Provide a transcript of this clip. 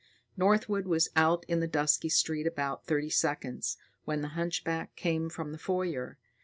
Northwood was out in the dusky street about thirty seconds, when the hunchback came from the foyer.